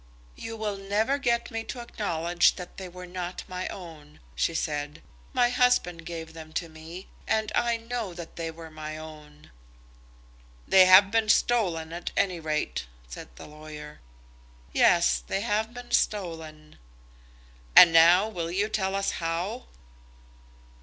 "You will never get me to acknowledge that they were not my own," she said. "My husband gave them to me, and I know that they were my own." "They have been stolen, at any rate," said the lawyer. "Yes; they have been stolen." "And now will you tell us how?"